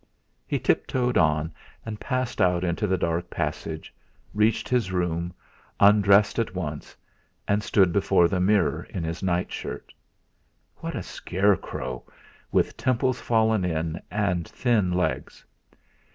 He tiptoed on and passed out into the dark passage; reached his room, undressed at once, and stood before a mirror in his night shirt. What a scarecrow with temples fallen in, and thin legs!